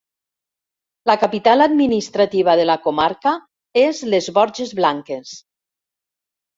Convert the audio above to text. La capital administrativa de la comarca és les Borges Blanques.